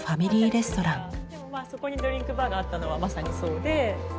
そこにドリンクバーがあったのはまさにそうでそう。